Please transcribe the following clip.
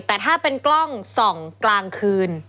แต่ถ้าเป็นกล้องส่องกลางคืน